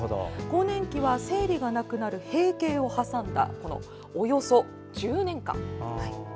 更年期は、生理がなくなる閉経を挟んだおよそ１０年間。